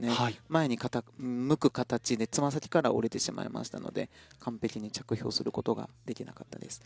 前に傾く形でつま先から降りてしまいましたので完璧に着氷することができなかったです。